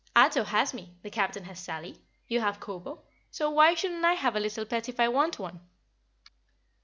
"Ato has me, the Captain has Sally, you have Kobo, so why shouldn't I have a little pet if I want one?"